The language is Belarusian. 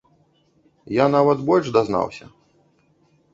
Я нават больш дазнаўся.